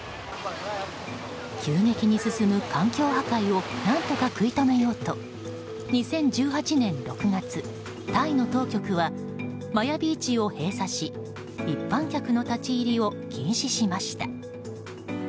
急激に進む環境破壊を何とか食い止めようと２０１８年６月、タイの当局はマヤビーチを閉鎖し一般客の立ち入りを禁止しました。